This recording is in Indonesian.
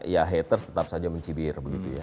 ya haters tetap saja mencibir